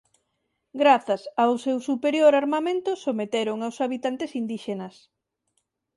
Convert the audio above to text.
Grazas ao seu superior armamento someteron aos habitantes indíxenas.